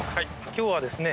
今日はですね。